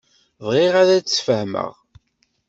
Bɣiɣ ad d-sfehmeɣ.